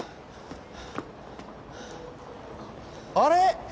あれ？